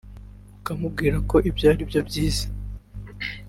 ukamubwira ko ibyo arimo ari byiza